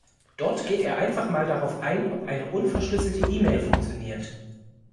Dort geht er einfach mal darauf ein, ob eine unverschlüsselte E-Mail funktioniert.